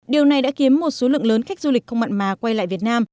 điều này đã kiếm một số lượng lớn khách du lịch không mặn mà quay lại việt nam